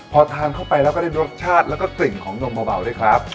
พอทานเข้าไปแล้วก็ได้รสชาติแล้วก็กลิ่นของนมเบาด้วยครับ